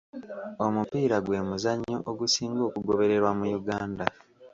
Omupiira gwe muzannyo ogusinga okugobererwa mu Uganda.